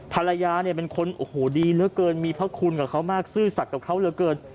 ภรรยาเนี่ยเป็นคนโอ้โหดีเหลือเกินมีพระคุณกับเขามากซื่อสัตว์กับเขาเหลือเกิน